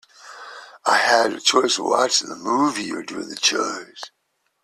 I had the choice of watching a movie or doing the chores.